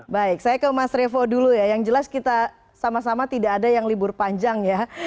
baik saya ke mas revo dulu ya yang jelas kita sama sama tidak ada yang libur panjang ya